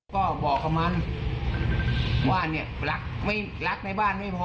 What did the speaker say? ก็บอกเขามันว่าเนี่ยรักในบ้านไม่พอ